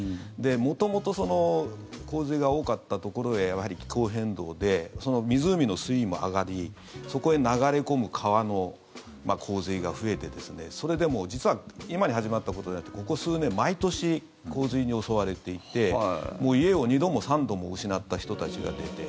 元々、洪水が多かったところへ気候変動で湖の水位も上がりそこへ流れ込む川の洪水が増えてそれで実は今に始まったことじゃなくてここ数年、毎年洪水に襲われていて家を２度も３度も失った人たちが出て。